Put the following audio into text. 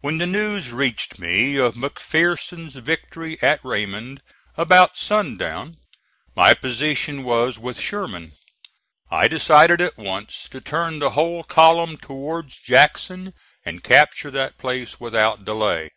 When the news reached me of McPherson's victory at Raymond about sundown my position was with Sherman. I decided at once to turn the whole column towards Jackson and capture that place without delay.